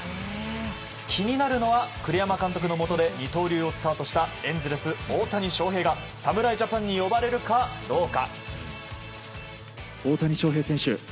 気になるのは栗山監督のもとで二刀流をスタートしたエンゼルス、大谷翔平が侍ジャパンに呼ばれるかどうか。